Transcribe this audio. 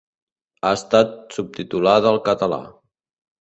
Ha estat subtitulada al català.